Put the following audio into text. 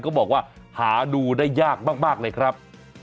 ก็บอกว่าหาดูได้ยากมากเลยครับ